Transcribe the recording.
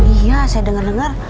iya saya denger dengar